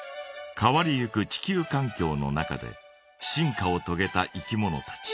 変わりゆく地球かん境の中で進化をとげたいきものたち。